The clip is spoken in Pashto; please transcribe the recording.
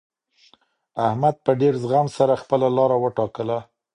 احمد په ډېر زغم سره خپله لاره وټاکله.